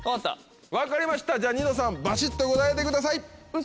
分かりましたじゃあニノさんばしっと答えてください。